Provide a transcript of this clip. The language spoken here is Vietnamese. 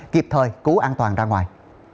kịp thời cứu an toàn ra ngoài